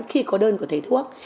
khi có đơn có thể thuốc